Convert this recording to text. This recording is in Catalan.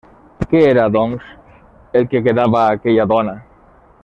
Què era, doncs, el que quedava a aquella dona?